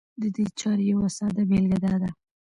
د دې چارې يوه ساده بېلګه دا ده